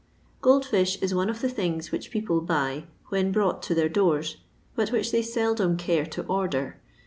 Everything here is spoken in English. Gold fish is one of the things which people buy when brought to their doors, but which they seldom care to "order."